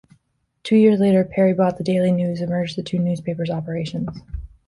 Two years later, Perry bought the "Daily News" and merged the two newspapers' operations.